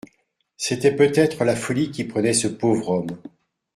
C'était peut-être la folie qui prenait ce pauvre homme.